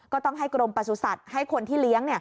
ก็ต้องให้กรมประสุทธิ์ให้คนที่เลี้ยง